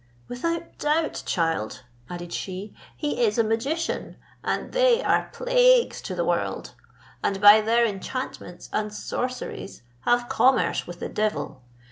"Without doubt, child," added she, "he is a magician, and they are plagues to the world, and by their enchantments and sorceries have commerce with the devil.